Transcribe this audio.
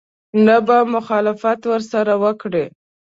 نه به مخالفت ورسره وکړي.